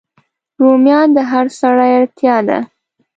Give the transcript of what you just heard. رومیان د هر سړی اړتیا ده